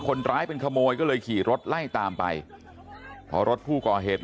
คนร้ายเป็นขโมยก็เลยขี่รถไล่ตามไปพอรถผู้ก่อเหตุ